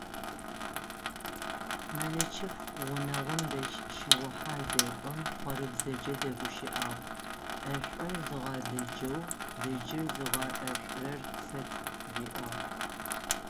Мэлычыпхъу гъунэгъум дэжь щыгъухьэ зэкӏом хъорыбзэкӏэ дэгущыӏагъ: «ӏэшӏур зыгъэдыджэу, дыджыр зыгъэӏэшӏурэр къысэт» риӏуагъ.